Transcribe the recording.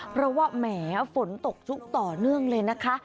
เพราะว่าแหมฝนตกชุกต่อเนื่องเลยนะคะ